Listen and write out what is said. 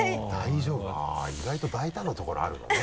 意外と大胆なところあるよね。